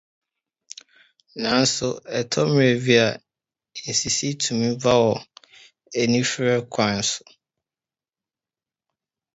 Nanso, ɛtɔ mmere bi a, nsisi tumi ba wɔ anifere kwan so.